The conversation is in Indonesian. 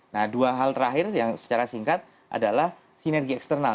nah dua hal terakhir yang secara singkat adalah sinergi eksternal